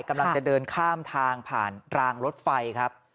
กำลังจะเดินข้ามทางผ่านรางรถไฟครับ